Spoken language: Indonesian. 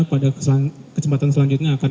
pada kecepatan selanjutnya akan